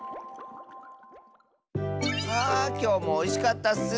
あきょうもおいしかったッス。